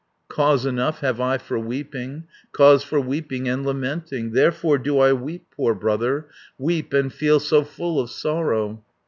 "Cause enough have I for weeping, Cause for weeping and lamenting. Therefore do I weep, poor brother, Weep, and feel so full of sorrow.